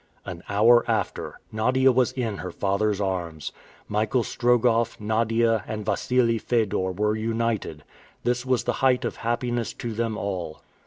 An hour after, Nadia was in her father's arms. Michael Strogoff, Nadia, and Wassili Fedor were united. This was the height of happiness to them all.